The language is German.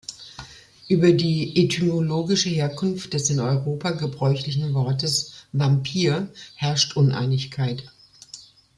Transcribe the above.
Über die etymologische Herkunft des in Europa gebräuchlichen Wortes „Vampir“ herrscht Uneinigkeit.